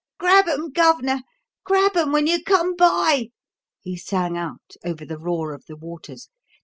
"Grab 'em, Gov'nor grab 'em when you come by!" he sang out over the roar of the waters.